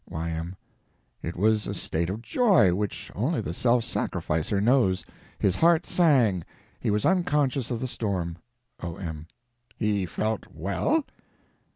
Y.M. It was a state of joy which only the self sacrificer knows. His heart sang, he was unconscious of the storm. O.M. He felt well?